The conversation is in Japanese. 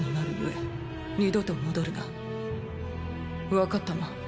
分かったな